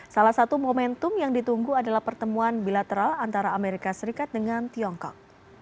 salah satu momentum yang ditunggu adalah pertemuan bilateral antara amerika serikat dengan tiongkok